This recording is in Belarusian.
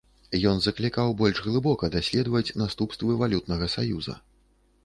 Ён заклікаў больш глыбока даследаваць наступствы валютнага саюза.